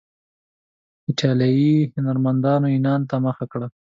ایټالیایي هنرمندانو یونان ته مخه وکړه.